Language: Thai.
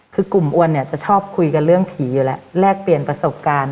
คือกลุ่มอ้วนเนี่ยจะชอบคุยกันเรื่องผีอยู่แล้วแลกเปลี่ยนประสบการณ์